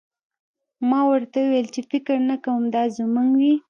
ما ورته وویل چې فکر نه کوم دا زموږ وي